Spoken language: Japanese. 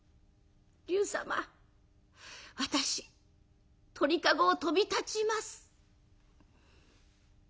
龍様私鳥籠を飛び立ちます」。